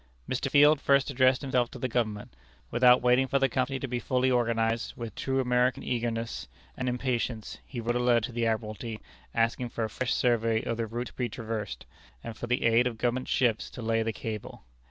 Mr. Field first addressed himself to the Government. Without waiting for the Company to be fully organized, with true American eagerness and impatience, he wrote a letter to the Admiralty asking for a fresh survey of the route to be traversed, and for the aid of Government ships to lay the cable.